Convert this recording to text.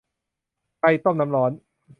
ใครต้มน้ำร้อน ?